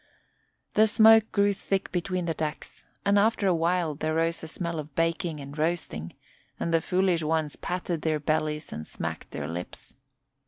The smoke grew thick between the decks, and after a while there rose the smell of baking and roasting, and the foolish ones patted their bellies and smacked their lips.